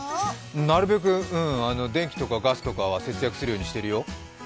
なるべく電気とかガスは節約するようにしてるよ。